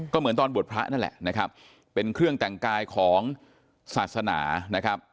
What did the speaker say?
ก็เหมือนตอนบวชพระนั่นแหละนะครับเป็นเครื่องแต่งกายของศาสนานะครับ